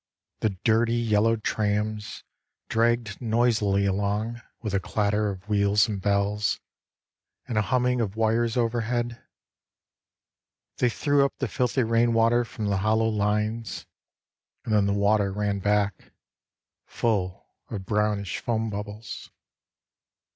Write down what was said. The dirty yellow trams Dragged noisily along With a clatter of wheels and bells And a humming of wires overhead. They threw up the filthy rain water from the hollow lines And then the water ran back Full of brownish foam bubbles.